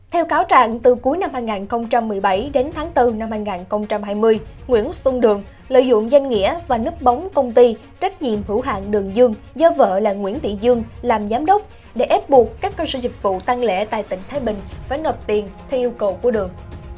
theo cáo trạng từ cuối năm hai nghìn một mươi bảy đến tháng bốn năm hai nghìn hai mươi nguyễn xuân đường lợi dụng danh nghĩa và nứt bóng công ty trách nhiệm hữu hạng đường dương do vợ là nguyễn thị dương làm giám đốc để ép buộc các cơ sở dịch vụ tăng lễ tại tỉnh thái bình phải nợp tiền theo yêu cầu của đường